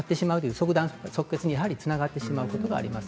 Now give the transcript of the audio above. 即断、即決につながってしまうことがあります。